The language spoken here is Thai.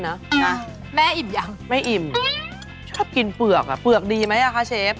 นะแม่อิ่มยังไม่อิ่มชอบกินเปลือกอ่ะเปลือกดีไหมอ่ะคะเชฟ